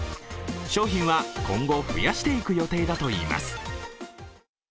商品は今後、増やしていく予定だといいます。